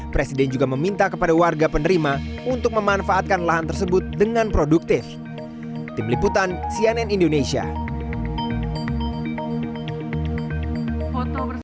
presiden joko widodo berdialog dengan warga saat penyerahan surat keputusan pengelolaan perhutanan sosial kepada masyarakat kelompok tani hutan